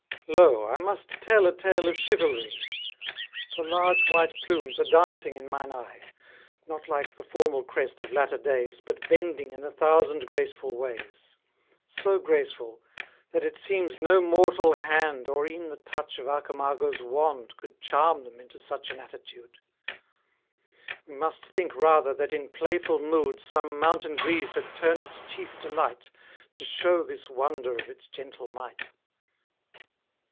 Lo! I must tell a tale of chivalry; For large white plumes are dancing in mine eye. Not like the formal crest of latter days: But bending in a thousand graceful ways; So graceful, that it seems no mortal hand, Or e'en the touch of Archimago's wand, Could charm them into such an attitude. We must think rather, that in playful mood, Some mountain breeze had turned its chief delight, To show this wonder of its gentle might.